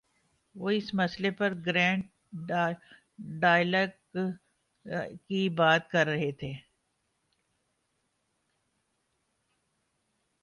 وہ اسی مسئلے پر گرینڈ ڈائیلاگ کی بات کر رہے ہیں۔